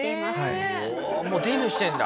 もうデビューしてるんだ。